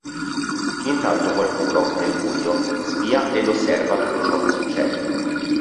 Intanto qualcuno, nel buio, spia ed osserva tutto ciò che succede...